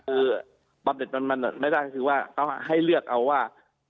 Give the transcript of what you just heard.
คือบำเน็ตมันไม่ได้คือว่าต้องให้เลือกเอาว่า